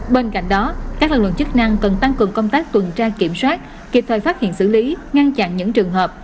bên cạnh đó các lực lượng chức năng cần tăng cường công tác tuần tra kiểm soát kịp thời phát hiện xử lý ngăn chặn những trường hợp